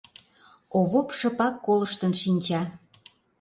Овоп шыпак колыштын шинча.